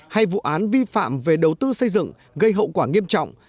hay vụ án vi phạm về đầu tư xây dựng gây hậu quả nghiêm trọng